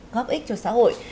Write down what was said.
góp ích cho xã hội